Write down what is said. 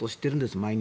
毎日。